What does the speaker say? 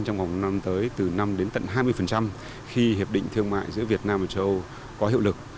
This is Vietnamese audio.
trong vòng năm tới từ năm đến tận hai mươi khi hiệp định thương mại giữa việt nam và châu âu có hiệu lực